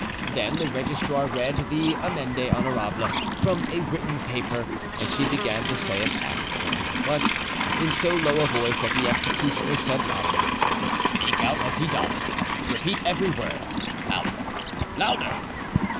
Then the registrar read the 'amende honorable' from a written paper, and she began to say it after him, but in so low a voice that the executioner said loudly, "Speak out as he does; repeat every word. Louder, louder!"